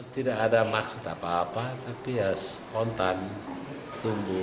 tidak ada maksud apa apa tapi ya spontan tumbuh